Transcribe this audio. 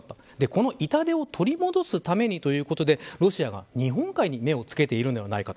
この痛手を取り戻すためということでロシアは日本海に目をつけているのではないか。